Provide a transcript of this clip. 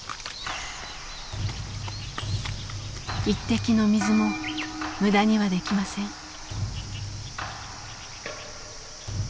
一滴の水も無駄にはできません。